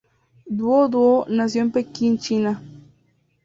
Duo Duo nació en Pekín, China.